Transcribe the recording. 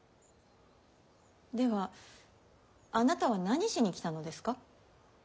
ではあなたは何しに来たのですか？